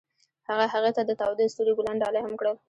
هغه هغې ته د تاوده ستوري ګلان ډالۍ هم کړل.